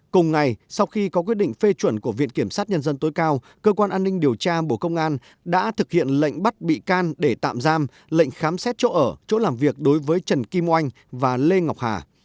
cùng ngày sau khi có quyết định phê chuẩn của viện kiểm sát nhân dân tối cao cơ quan an ninh điều tra bộ công an đã thực hiện lệnh bắt bị can để tạm giam lệnh khám xét chỗ ở chỗ làm việc đối với trần kim oanh và lê ngọc hà